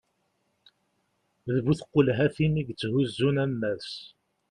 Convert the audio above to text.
d bu tqulhatin i yetthuzzun ammas